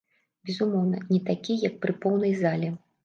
Безумоўна, не такі як пры поўнай зале.